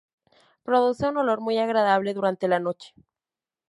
Producen un olor muy agradable durante la noche.